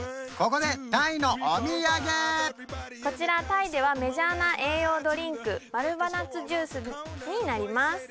こちらタイではメジャーな栄養ドリンクマルバナッツジュースになります